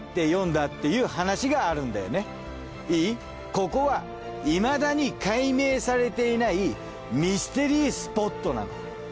ここはいまだに解明されていないミステリースポットなの。